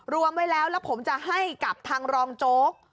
รวมไว้แล้วแล้วผมจะให้กับทางรองโจ๊ก